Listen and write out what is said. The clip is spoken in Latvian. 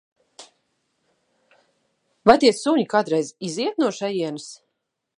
Vai tie suņi kādreiz iziet no šejienes?